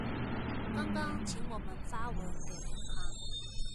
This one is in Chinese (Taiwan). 剛剛請我們發文給銀行